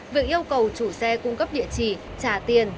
việc yêu cầu chủ xe cung cấp địa chỉ trả tiền